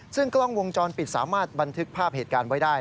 ซึ่งกล้องวงจรปิดสามารถบันทึกภาพเหตุการณ์ไว้ได้